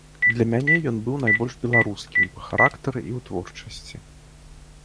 Для мяне ён быў найбольш беларускім па характары і ў творчасці.